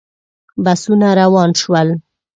بسونه روان شول.